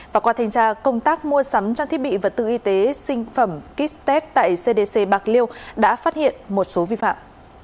và qua thanh tra công tác mua sắm trang thiết bị vật tư y tế sinh phẩm kit test tại cdc bạc liêu đã phát hiện một số vi phạm